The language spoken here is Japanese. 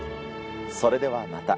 それではまた。